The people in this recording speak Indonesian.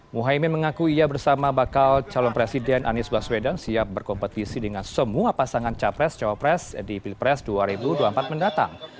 muhaymin mengaku ia bersama bakal calon presiden anies baswedan siap berkompetisi dengan semua pasangan capres cawapres di pilpres dua ribu dua puluh empat mendatang